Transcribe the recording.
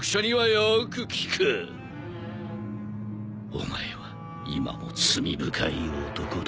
お前は今も罪深い男だ。